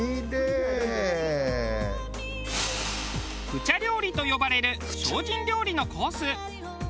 普茶料理と呼ばれる精進料理のコース。